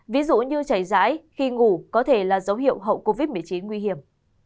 ví dụ như chảy rãi khi ngủ có thể là dấu hiệu hậu covid một mươi chín nguy hiểm